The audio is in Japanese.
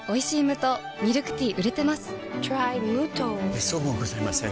めっそうもございません。